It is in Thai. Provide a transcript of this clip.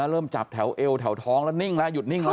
เริ่มจับแถวเอวแถวท้องแล้วนิ่งแล้วหยุดนิ่งแล้ว